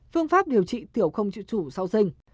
phương pháp điều trị tiểu không tự chủ sau dinh